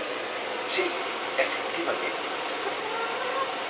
Si, efectivamente.